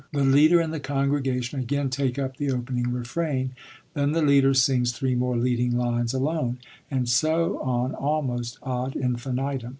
_ The leader and the congregation again take up the opening refrain; then the leader sings three more leading lines alone, and so on almost ad infinitum.